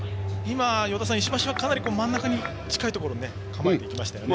与田さん、石橋はかなり真ん中に近いところに構えていきましたね。